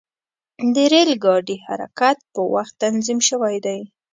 د ریل ګاډي حرکت په وخت تنظیم شوی دی.